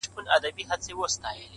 هغه هم نسته جدا سوی يمه _